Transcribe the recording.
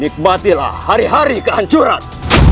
nikmatilah hari hari kehancuran